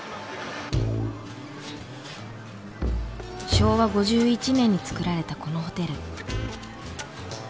昭和５１年に造られたこのホテル。